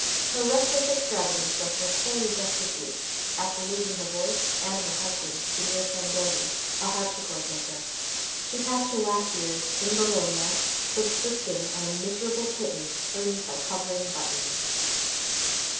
Her reckless extravagance left her wholly destitute after losing her voice and her husband, Signor Sandoni, a harpsichord maker. She passed her last years in Bologna, subsisting on a miserable pittance earned by covering buttons.